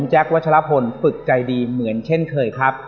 วัชลพลฝึกใจดีเหมือนเช่นเคยครับ